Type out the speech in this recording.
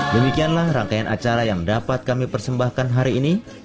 demikianlah rangkaian acara yang dapat kami persembahkan hari ini